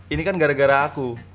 ini kan gara gara aku